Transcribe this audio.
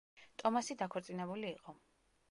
ტომასი დაქორწინებული იყო.